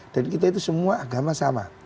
dan kita itu semua agama sama